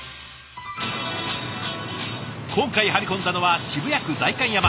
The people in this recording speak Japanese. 今回張り込んだのは渋谷区代官山。